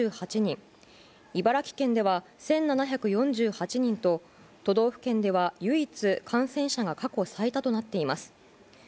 茨城県では１７４８人と都道府県では唯一感染者が過去最多となっています。